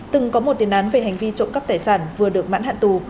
từng có một tiền án về hành vi trộm cắp tài sản vừa được mãn hạn tù